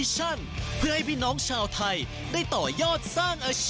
จับจริงแจกจริง